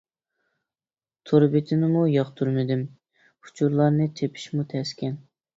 تور بېتىنىمۇ ياقتۇرمىدىم، ئۇچۇرلارنى تېپىشمۇ تەسكەن.